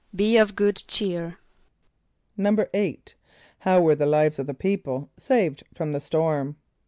="Be of good cheer."= =8.= How were the lives of the people saved from the storm?